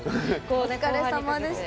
お疲れさまでした。